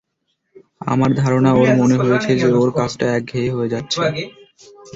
আমার ধারণা ওর মনে হয়েছে যে ওর কাজটা একঘেয়ে হয়ে যাচ্ছে।